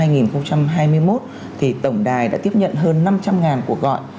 cái vấn đề thứ hai là riêng trong năm hai nghìn hai mươi một thì tổng đài đã tiếp nhận hơn năm trăm linh cuộc gọi